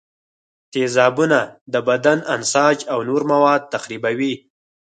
تیزابونه د بدن انساج او نور مواد تخریبوي.